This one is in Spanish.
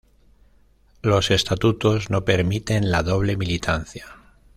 Los estatutos no permiten la doble militancia.